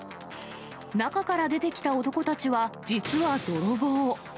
中から出てきた男たちは、実は泥棒。